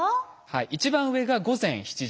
一番上が午前７時。